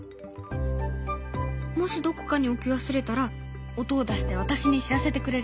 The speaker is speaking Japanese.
もしどこかに置き忘れたら音を出して私に知らせてくれるの。